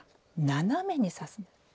斜めにさす。